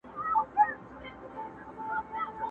بخت به کله خلاصه غېږه په خندا سي!!